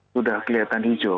sudah kelihatan hijau